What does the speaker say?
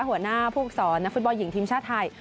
หัวหน้าผู้ฝึกสอนนักฟุตบอลหญิงทีมชาติไทย